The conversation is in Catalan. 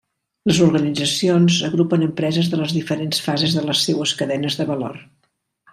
Les organitzacions agrupen empreses de les diferents fases de les seues cadenes de valor.